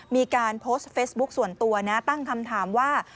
มีการโพสต์เฟซบุ๊คส่วนตัวนะตั้งคำถามว่า